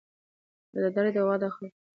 اداري دعوه د حق د خوندي کولو وسیله ده.